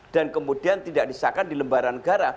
dan kemudian tidak diisahkan di lembaran negara